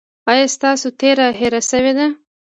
ایا ستاسو تیره هیره شوې ده؟